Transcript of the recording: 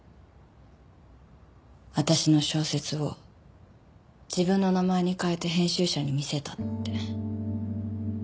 私の小説を自分の名前に変えて編集者に見せたって。